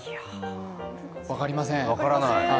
分かりません。